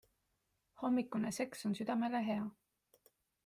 Hommikune seks on südamele hea.